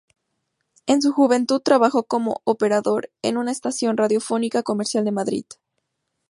En su juventud trabajó como operador en una estación radiofónica comercial de Madrid.